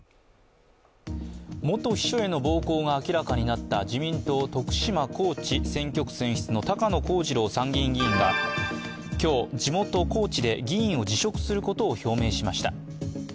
元秘書への暴行が明らかになった自民党徳島・高知選挙区選出の高野光二郎参議院議員が、今日地元・高知で議員を辞職することを表明しました。